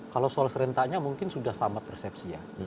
kalau soal serentaknya mungkin sudah sama persepsi ya